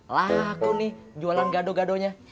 laku nih jualan gado gadonya